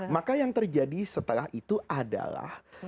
maka yang terjadi setelah itu adalah